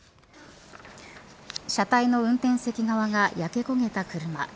車体の運転席側が焼け焦げた車。